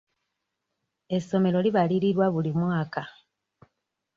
Essomero libalirirwa buli mwaka.